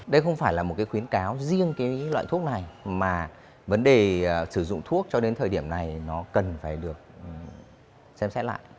đây không phải là một cái khuyến cáo riêng cái loại thuốc này mà vấn đề sử dụng thuốc cho đến thời điểm này nó cần phải được xem xét lại